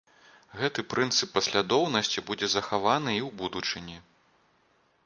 Гэты прынцып паслядоўнасці будзе захаваны і ў будучыні.